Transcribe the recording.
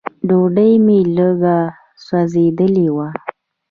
ډوډۍ مې لږ سوځېدلې وه.